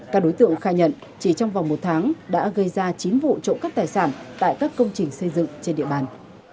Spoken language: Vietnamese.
các đối tượng khai nhận chỉ trong vòng một tháng đã gây ra chín vụ trộm cắp tài sản tại các công trình xây dựng trên địa bàn